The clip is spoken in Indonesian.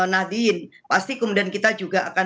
nahdien pasti kemudian kita juga akan